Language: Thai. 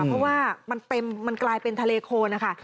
เพราะว่ามันกลายเป็นทะเลโคนนะคะ